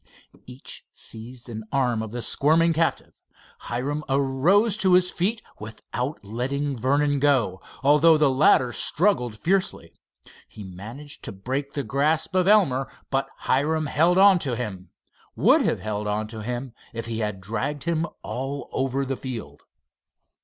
Each seized an arm of the squirming captive. Hiram arose to his feet without letting Vernon go, although the latter struggled fiercely. He managed to break the grasp of Elmer, but Hiram held on to him—would have held on to him if he had dragged him all over the field.